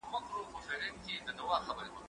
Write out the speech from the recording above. زه له سهاره موسيقي اورم؟